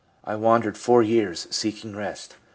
I wandered four years, seeking rest.